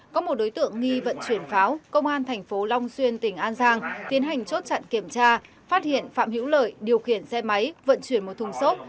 có một đối tượng nghi vận chuyển pháo công an thành phố long xuyên tỉnh an giang tiến hành chốt chặn kiểm tra phát hiện phạm hữu lợi điều khiển xe máy vận chuyển một thùng xốp